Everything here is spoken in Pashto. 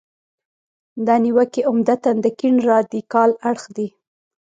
دا نیوکې عمدتاً د کیڼ رادیکال اړخ دي.